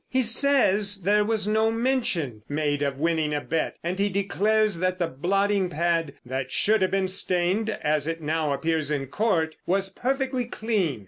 He says there was no mention made of winning a bet, and he declares that the blotting pad—that should have been stained as it now appears in Court, was perfectly clean!